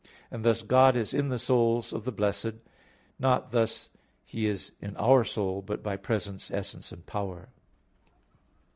And thus God is in the souls of the blessed; not thus is He in our soul, but by presence, essence and power.